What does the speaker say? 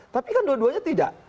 tapi kan dua duanya tidak